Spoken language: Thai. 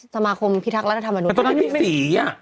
สมาคมพิทักรัฐธรรมมนุนไทย